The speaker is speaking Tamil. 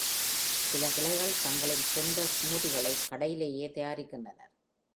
சில கிளைகள் தங்களின் சொந்த ஸ்மூதிகளை கடையிலேயே தயாரிக்கின்றனர்.